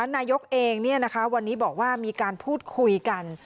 นายกเองวันนี้บอกว่ามีการพูดคุยกัน